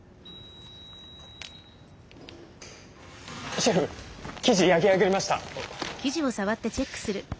シェフ生地焼き上がりました。